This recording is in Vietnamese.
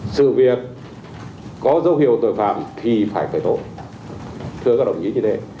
sự việc có dấu hiệu tội phạm thì phải khởi tố thưa các đồng chí như thế